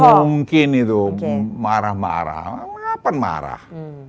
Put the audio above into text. nggak mungkin itu marah marah kenapa marah